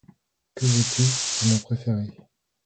Que veux-tu, c’est mon préféré.